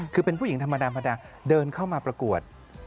คือเป็นผู้หญิงธรรมดาเดินเข้ามาประกวด